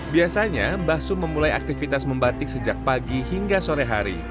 biasanya mbah sum memulai aktivitas membatik sejak pagi hingga sore hari